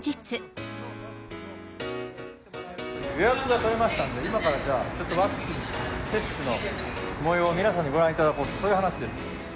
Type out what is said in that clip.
予約が取れましたんで、今からじゃあ、ちょっとワクチン接種のもようを皆さんにご覧いただこう、そういう話です。